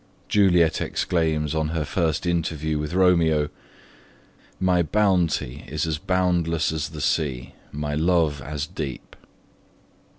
Juliet exclaims on her first interview with Romeo: My bounty is as boundless as the sea, My love as deep.